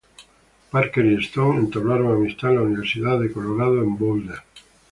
Parker y Stone entablaron amistad en la Universidad de Colorado en Boulder.